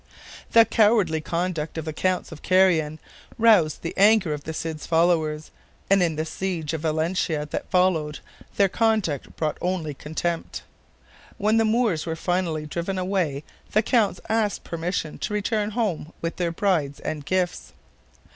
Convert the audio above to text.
The cowardly conduct of the Counts of Carrion roused the anger of the Cid's followers, and in the siege of Valencia that followed their conduct brought only contempt. When the Moors were finally driven away the counts asked permission to return home with their brides and gifts.